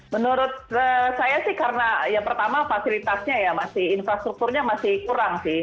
menurut saya sih karena ya pertama fasilitasnya ya masih infrastrukturnya masih kurang sih